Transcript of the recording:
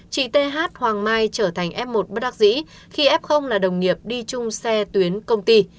chị th hoàng mai trở thành f một bất đắc dĩ khi f là đồng nghiệp đi chung xe tuyến công ty